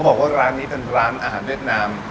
บอกว่าร้านนี้เป็นร้านอาหารเวียดนาม